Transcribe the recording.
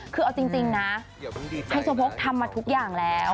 คือเอาจริงนะไฮโซโพกทำมาทุกอย่างแล้ว